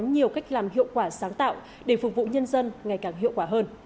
nhiều cách làm hiệu quả sáng tạo để phục vụ nhân dân ngày càng hiệu quả hơn